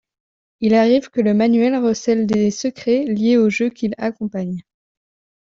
Il arrive que le manuel recèle des secrets liés au jeu qu'il accompagne.